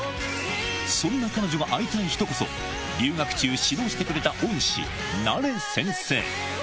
そんな彼女が会いたい人こそ、留学中、指導してくれた恩師、ナレ先生。